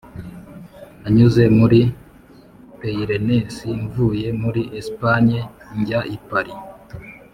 nanyuze muri pyrenees mvuye muri espagne njya i paris.